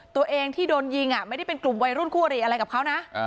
ตัวเองที่โดนยิงไม่ได้เป็นกลุ่มวัยรุ่นคู่อริอะไรกับเขานะ